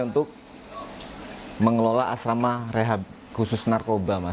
untuk mengelola asrama rehab khusus narkoba mas